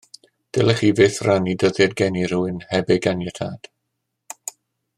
Ddylech chi fyth rannu dyddiad geni rhywun heb ei ganiatâd